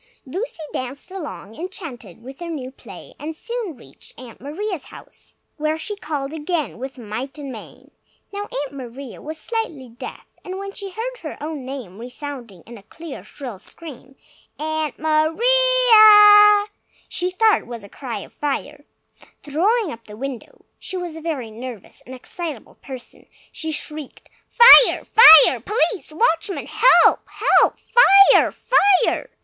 Lucy danced along, enchanted with her new play, and soon reached Aunt Maria's house, where she called again, with might and main. Now, Aunt Maria was slightly deaf, and when she heard her own name resounding in a clear, shrill scream, "Aunt Mari i i i ia!!" she thought it was a cry of fire! Throwing up the window (she was a very nervous and excitable person), she shrieked, "Fire! fire! Police! watchman! Help! help! Fire!! FIRE!!!"